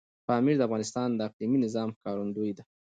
پامیر د افغانستان د اقلیمي نظام ښکارندوی ده.